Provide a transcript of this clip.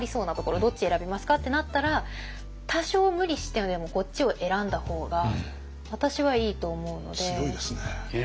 「どっち選びますか？」ってなったら多少無理してでもこっちを選んだ方が私はいいと思うので。